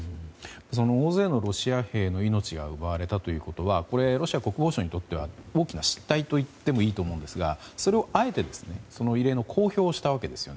大勢のロシア兵の命が奪われたということはこれ、ロシア国防省にとっては大きな失態といってもいいと思うんですがそれをあえて異例の公表をしたわけですよね。